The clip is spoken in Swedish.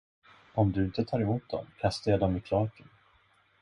Om du inte tar emot dem, kastar jag dem i kloaken.